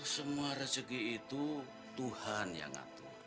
semua rezeki itu tuhan yang ngatur